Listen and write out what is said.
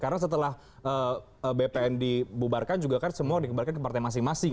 karena setelah bpn dibubarkan juga kan semua dikembalikan ke partai masing masing